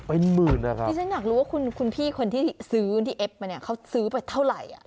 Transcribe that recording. เป็นหมื่นนะครับที่ฉันอยากรู้ว่าคุณคุณพี่คนที่ซื้อที่เอฟมาเนี่ยเขาซื้อไปเท่าไหร่อ่ะ